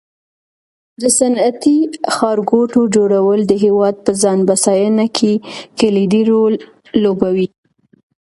د صنعتي ښارګوټو جوړول د هېواد په ځان بسیاینه کې کلیدي رول لوبوي.